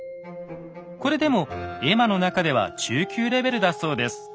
これでも絵馬の中では中級レベルだそうです。